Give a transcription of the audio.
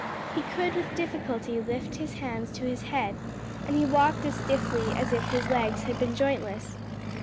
He could with difficulty lift his hands to his head, and he walked as stiffly as if his legs had been jointless.